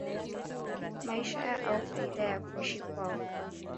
maisha au faida ya kuishi kwao